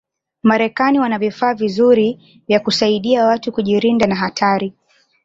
marekani wana vifaa vizuri vya kusaidi watu kujirinda na hatari